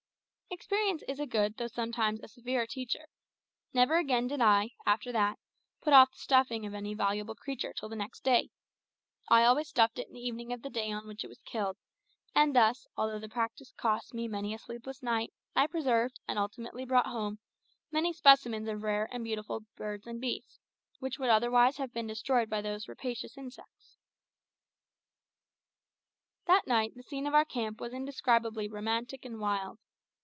Experience is a good though sometimes a severe teacher. Never again did I, after that, put off the stuffing of any valuable creature till the next day. I always stuffed it in the evening of the day on which it was killed; and thus, although the practice cost me many a sleepless night, I preserved, and ultimately brought home, many specimens of rare and beautiful birds and beasts, which would otherwise have been destroyed by those rapacious insects. That night the scene of our camp was indescribably romantic and wild.